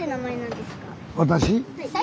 私？